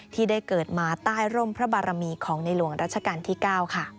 ที่ได้เกิดมาใต้ร่มพระบารมีของในหลวงรัชกาลที่๙ค่ะ